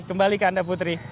kembali ke anda putri